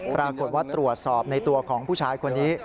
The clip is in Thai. ปรากฏว่าตรวจสอบในตัวของผู้ชายคนนี้